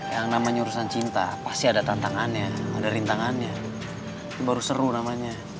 yang namanya urusan cinta pasti ada tantangannya ada rintangannya baru seru namanya